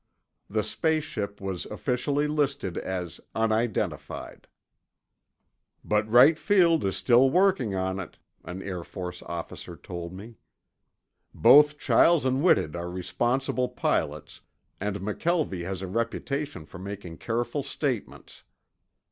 The "space ship" was officially listed as unidentified. "But Wright Field is still working on it," an Air Force officer told me. "Both Chiles and Whitted are responsible pilots, and McKelvie has a reputation for making careful statements.